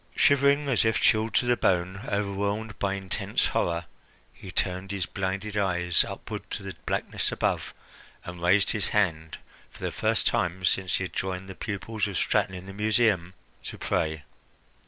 Shivering, as if chilled to the bone, overwhelmed by intense horror, he turned his blinded eyes upward to the blackness above and raised his hand, for the first time since he had joined the pupils of Straton in the Museum, to pray.